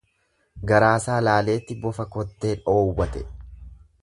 Garaasaa laaleeti bofa kottee dhoowwate.